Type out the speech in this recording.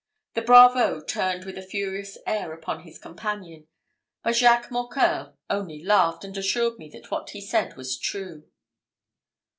The bravo turned with a furious air upon his companion; but Jacques Mocqueur only laughed, and assured me that what he said was true.